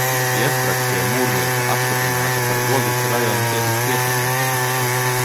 Jevpraksija Mūrniece apstiprināta par Ogres rajona tiesas tiesnesi.